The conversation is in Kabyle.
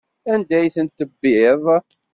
Anda ay ten-tebbiḍ?